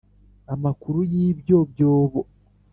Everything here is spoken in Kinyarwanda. Amakuru y ibyo byobo